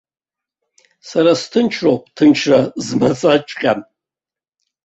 Сара сҭынчроуп ҭынчра змаӡаҵәҟьам.